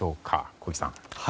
小木さん。